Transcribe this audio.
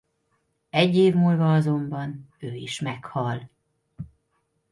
Egy év múlva azonban ő is meghal.